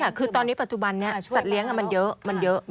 ใช่ค่ะคือตอนนี้ปัจจุบันนี้สัตว์เลี้ยงมันเยอะ